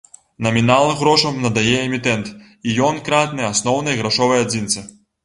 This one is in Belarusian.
Намінал грошам надае эмітэнт і ён кратны асноўнай грашовай адзінцы.